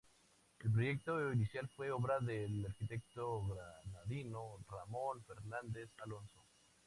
El proyecto inicial fue obra del arquitecto granadino Ramón Fernández Alonso.